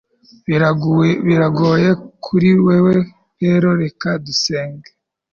biragoye kuri wewe rero reka dusenge